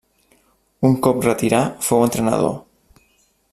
Un cop retirar fou entrenador.